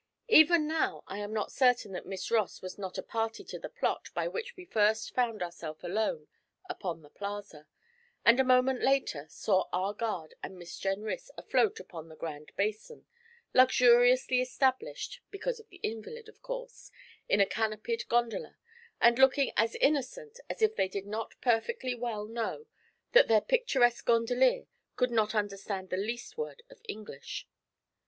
Even now I am not certain that Miss Ross was not a party to the plot by which we first found ourselves alone upon the Plaza; and a moment later saw our guard and Miss Jenrys afloat upon the Grand Basin, luxuriously established, because of the invalid, of course, in a canopied gondola, and looking as innocent as if they did not perfectly well know that their picturesque gondolier could not understand the least word of English.